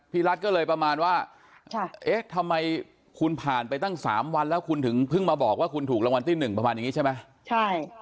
รัฐก็เลยประมาณว่าเอ๊ะทำไมคุณผ่านไปตั้ง๓วันแล้วคุณถึงเพิ่งมาบอกว่าคุณถูกรางวัลที่๑ประมาณอย่างนี้ใช่ไหม